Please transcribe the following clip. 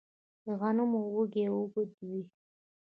د غنمو وږی اوږد وي.